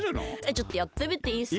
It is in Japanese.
ちょっとやってみていいっすか？